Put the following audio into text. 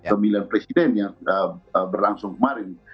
pemilihan presiden yang berlangsung kemarin